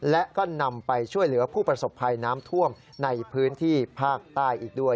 และก็นำไปช่วยเหลือผู้ประสบภัยน้ำท่วมในพื้นที่ภาคใต้อีกด้วย